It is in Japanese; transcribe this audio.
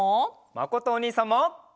まことおにいさんも！